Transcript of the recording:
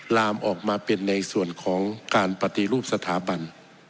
ลามออกมาเป็นในส่วนของการปฏิรูปสถาบัน